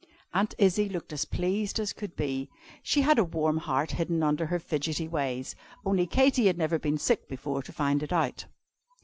Aunt Izzie looked as pleased as could be. She had a warm heart hidden under her fidgety ways only Katy had never been sick before, to find it out.